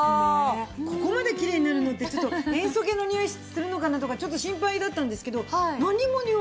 ここまできれいになるのって塩素系のにおいするのかなとかちょっと心配だったんですけど何もにおわないです。